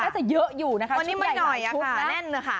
มันก็จะเยอะอยู่นะคะชุดใหญ่ชุดแน่นเอาทุกค่ะ